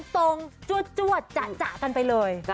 ตรงจวดจ่ะกันไปเลย